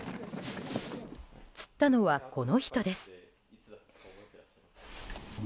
釣ったのはこの人です。